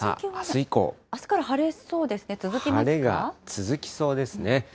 あすから晴れそうですね、続晴れが続きそうですね。